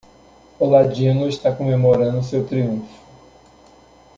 O ladino está comemorando seu triunfo.